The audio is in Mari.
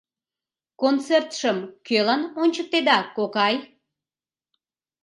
— Концертшым кӧлан ончыктеда, кокай?